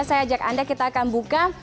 saya ajak anda kita akan buka